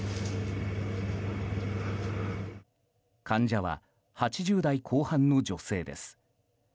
患者は８０代後半の女性です。